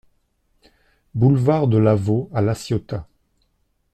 Boulevard de Lavaux à La Ciotat